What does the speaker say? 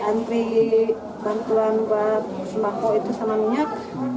antri bantuan buat sembako itu sama minyak